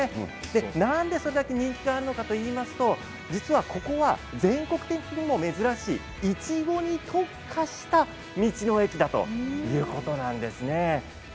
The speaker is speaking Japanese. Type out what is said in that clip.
なんでそれだけ人気があるのかといいますと実はここは全国的にも珍しいいちごに特化した道の駅だということなんです。